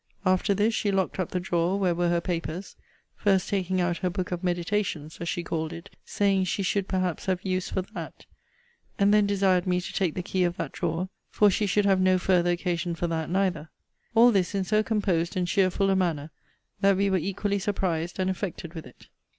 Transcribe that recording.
After this, she locked up the drawer where were her papers; first taking out her book of meditations, as she called it; saying, she should, perhaps, have use for that; and then desired me to take the key of that drawer; for she should have no further occasion for that neither. All this in so composed and cheerful a manner, that we were equally surprised and affected with it.